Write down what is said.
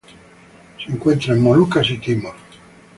Se encuentra en Molucas y Timor.